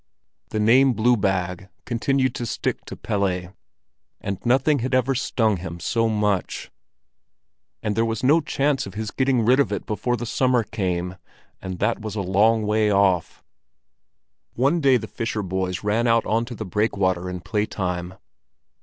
The name Blue bag continued to stick to Pelle, and nothing had ever stung him so much; and there was no chance of his getting rid of it before the summer came, and that was a long way off. One day the fisher boys ran out on to the breakwater in playtime.